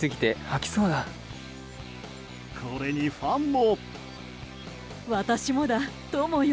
これにファンも。